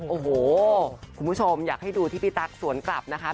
โอ้โหคุณผู้ชมอยากให้ดูที่พี่ตั๊กสวนกลับนะคะ